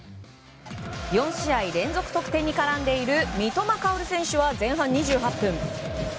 ４試合連続得点に絡んでいる三笘薫選手は前半２８分。